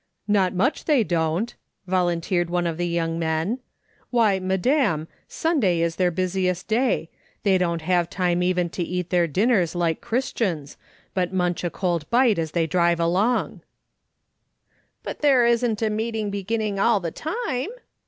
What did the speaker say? " iSTot much they don't!" volunteered one of the young men. " Why, madam, Sunday is their busiest day ; they don't have time even to eat their dinners like Christians, but munch a cold bite as they drive along." "PERHAPS SUE'S ja GUT." in "But there isn't a meeting beginning all the time